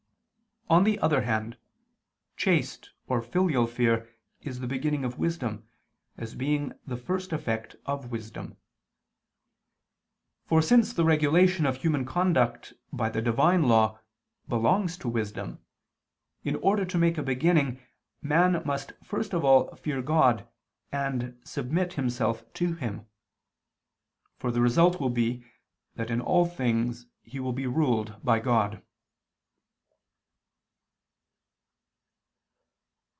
On the other hand, chaste or filial fear is the beginning of wisdom, as being the first effect of wisdom. For since the regulation of human conduct by the Divine law belongs to wisdom, in order to make a beginning, man must first of all fear God and submit himself to Him: for the result will be that in all things he will be ruled by God.